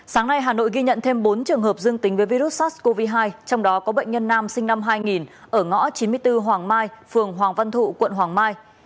sáng nay hà nội ghi nhận thêm bốn trường hợp dương tính với virus sars cov hai trong đó có bệnh nhân nam sinh năm hai nghìn ở ngõ chín mươi bốn hoàng mai phường hoàng văn thụ quận hoàng mai